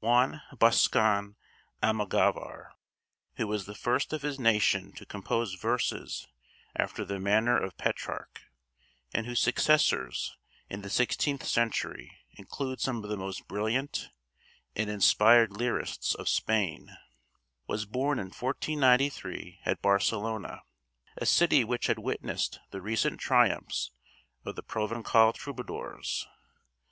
Juan Boscan Almogaver, who was the first of his nation to compose verses after the manner of Petrarch, and whose successors in the sixteenth century include some of the most brilliant and inspired lyrists of Spain, was born in 1493 at Barcelona, a city which had witnessed the recent triumphs of the Provencal Troubadours.